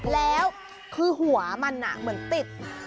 แล้วคือหัวมันเหมือนติด